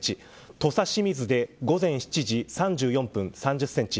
土佐清水で午前７時３４分３０センチ